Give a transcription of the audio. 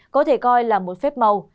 có thể coi là một phép màu